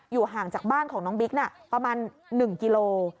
ห่างจากบ้านของน้องบิ๊กประมาณ๑กิโล